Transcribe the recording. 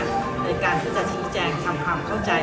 ในการที่จะชี้แจงทำความเข้าใจ